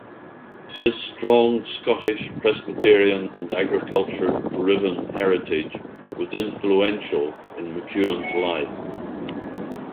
This strong Scottish, Presbyterian, and agriculture-driven heritage was influential in MacEwan's life.